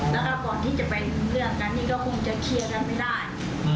แล้วก็ก่อนที่จะเป็นเรื่องนั้นนี่ก็คงจะเคลียร์กันไม่ได้